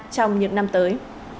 trong những năm tới